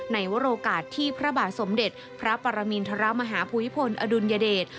ในวโอกาสที่พระบาทสมเด็จพระปรมินทรมาฮาภูมิพลอดุลยเดช